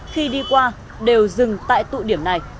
khi đi qua đều dừng tại tụ điểm này